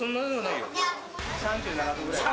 ３７度ぐらい。